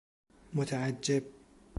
متعجب